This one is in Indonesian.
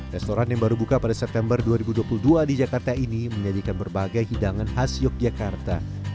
restoran yang baru buka pada september dua ribu dua puluh dua di jakarta ini menyajikan berbagai hidangan khas yogyakarta